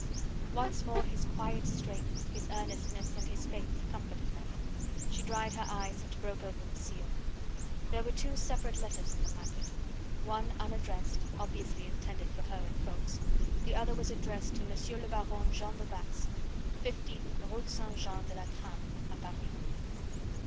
Once more his quiet strength, his earnestness and his faith comforted her. She dried her eyes and broke open the seal. There were two separate letters in the packet, one unaddressed, obviously intended for her and Ffoulkes, the other was addressed to M. le baron Jean de Batz, 15, Rue St. Jean de Latran a Paris.